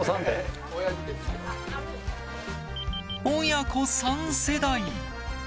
親子３世代！